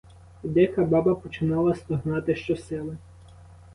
І дика баба починала стогнати щосили.